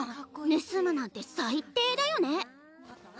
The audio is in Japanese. ぬすむなんて最低だよね。